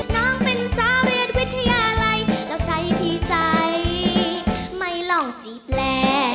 น้องเป็นสาวเรียนวิทยาลัยแล้วใส่พี่ใสไม่ลองจีบแล